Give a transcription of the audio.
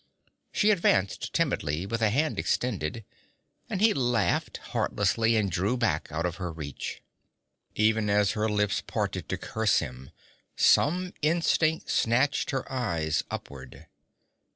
She advanced timidly, with a hand extended, and he laughed heartlessly and drew back out of her reach. Even as her lips parted to curse him, some instinct snatched her eyes upward.